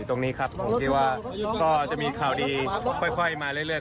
ตรงนี้ครับผมคิดว่าก็จะมีข่าวดีค่อยมาเรื่อย